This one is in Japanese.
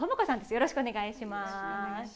よろしくお願いします。